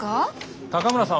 高村さん